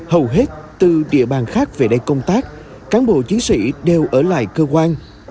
hầu hết từ địa bàn khác về đây công tác cán bộ chiến sĩ đều ở lại cơ quan